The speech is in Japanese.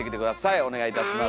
お願いいたします。